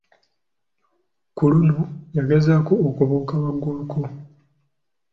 Kuluno yagezaako okubuuka waggulu ko.